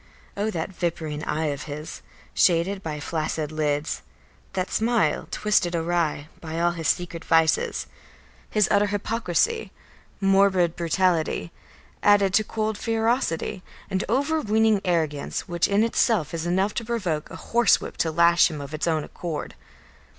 Oh that viperine eye of his, shaded by flaccid lids, that smile twisted awry by all his secret vices, his utter hypocrisy, morbid brutality, added to cold ferocity, and overweening arrogance which in itself is enough to provoke a horsewhip to lash him of its own accord.